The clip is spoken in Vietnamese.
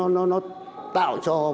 nó tạo cho